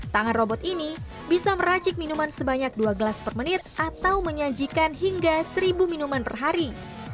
tangan robot ini bisa meracik minuman sebanyak dua gelas per menit atau menyajikan hingga seribu minuman per hari